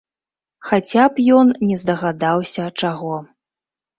Хаця б ён не здагадаўся чаго.